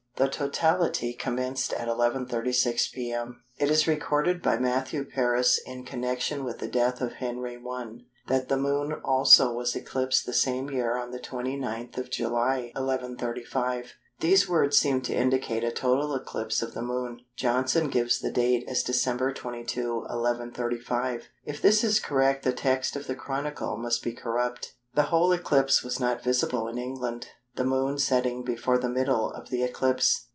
The totality commenced at 11.36 p.m. It is recorded by Matthew Paris in connection with the death of Henry I. that "the Moon also was eclipsed the same year on the 29th of July" . These words seem to indicate a total eclipse of the Moon. Johnson gives the date as Dec. 22, 1135. If this is correct the text of the Chronicle must be corrupt. The whole eclipse was not visible in England, the Moon setting before the middle of the eclipse.